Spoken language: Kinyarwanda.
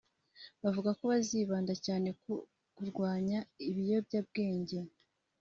Bavuga ko bazibanda cyane ku kurwanya ibiyobyabwenge